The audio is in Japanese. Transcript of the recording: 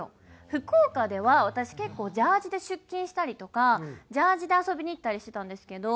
福岡では私結構ジャージーで出勤したりとかジャージーで遊びに行ったりしてたんですけど。